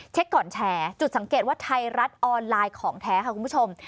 ก่อนแชร์จุดสังเกตว่าไทยรัฐออนไลน์ของแท้ค่ะคุณผู้ชม